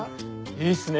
いいっすね